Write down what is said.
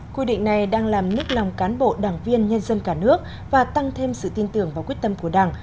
quy định này đang làm nức lòng cán bộ đảng viên nhân dân cả nước và tăng thêm sự tin tưởng và quyết tâm của đảng